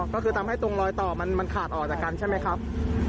ก็คือทำให้ตรงรอยต่อมันขาดออกจากกันใช่ไหมครับ